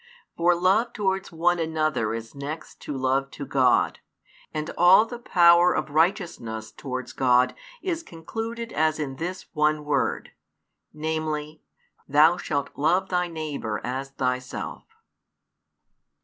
For love towards one another is next to love to God, and all the power of righteousness towards God is concluded as in this one word, namely, Thou shalt love thy neighbour as thyself.